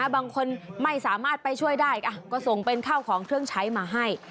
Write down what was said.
บางคนไม่สามารถไปช่วยได้ก็ส่งเป็นข้าวของเครื่องใช้มาให้